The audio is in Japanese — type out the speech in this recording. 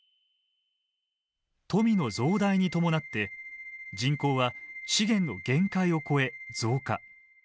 富の増大に伴って人口は資源の限界を超え増加。